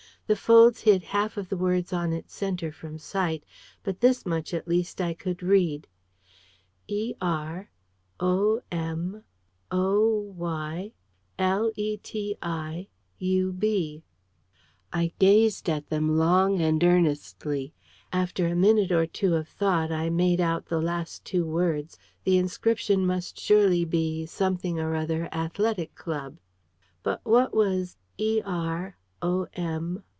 The folds hid half of the words on its centre from sight. But this much at least I could read: "ER...OM..OY...LETI...UB." I gazed at them long and earnestly. After a minute or two of thought, I made out the last two words. The inscription must surely be Something or other Athletic Club. But what was "Er... om..